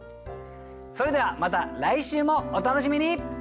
それではまた来週もお楽しみに！